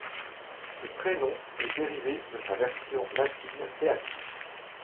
Ce prénom est dérivé de sa version latine Béatrice.